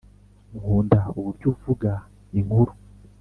nkunda uburyo uvuga inkuru